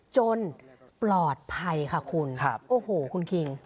ปลอดภัยค่ะคุณโอ้โหคุณคิง